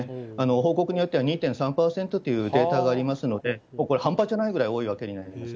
報告によっては、２．３％というデータがありますので、もうこれ、半端じゃないくらい多いわけです。